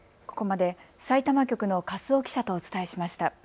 ここまで、さいたま局の粕尾記者とお伝えしました。